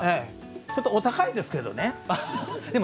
ちょっとお高いんですけどね。